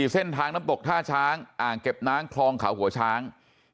เส้นทางน้ำตกท่าช้างอ่างเก็บน้ำคลองเขาหัวช้าง